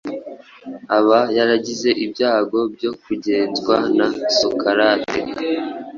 aba yaragize ibyago byo kugenzwa nka Sokarate.